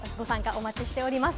お待ちしています。